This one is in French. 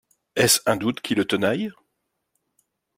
Est-ce un doute qui le tenaille?